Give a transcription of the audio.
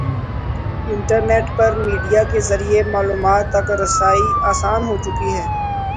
Internet پر media کے ذریعے معلومات تک رسائی آسان ہو چکی ہے۔